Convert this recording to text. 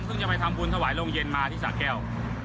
เมื่อที่๔แล้ว